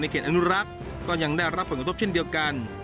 เพราะว่าโดนยิง